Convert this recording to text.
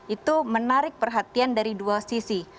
itu menarik perhatian dari dua sisi